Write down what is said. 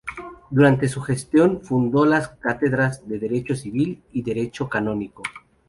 Durante su gestión fundó las cátedras de derecho civil y derecho canónico.